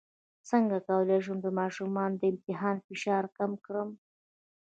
څنګه کولی شم د ماشومانو د امتحان فشار کم کړم